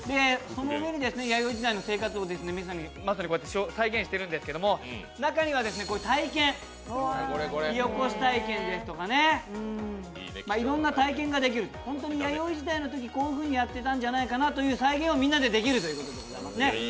弥生時代の生活をまさに再現してるんですけれども中には体験、火おこし体験ですとかいろいろな体験ができる、本当に弥生時代のときこういうふうにやっていたんじゃないかなという再現をみんなでできるということでございますね。